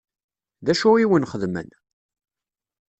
D acu i wen-xedmen?